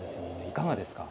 いかがですか？